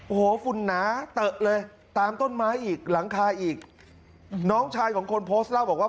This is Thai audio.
โอ้โหฝุ่นหนาเตอะเลยตามต้นไม้อีกหลังคาอีกน้องชายของคนโพสต์เล่าบอกว่า